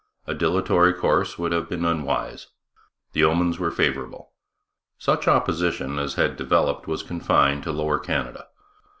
A dilatory course would have been unwise. The omens were favourable. Such opposition as had developed was confined to Lower Canada.